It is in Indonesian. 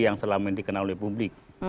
yang selama ini dikenal oleh publik